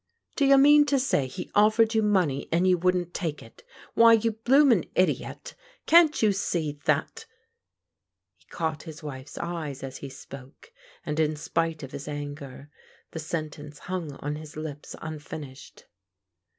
" Do you mean to say he oflFered you money and you wouldn't take it? Why, you bloomin' idiot, can't you see that ?" He caught his wife's eyes as he spoke, and in spite of his anger the sentence hung on his lips unfinished.